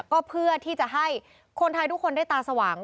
ก็เพื่อที่จะให้คนไทยทุกคนได้ตาสว่าง